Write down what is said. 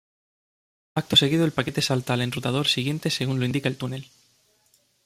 Acto seguido el paquete salta al enrutador siguiente según lo indica el túnel.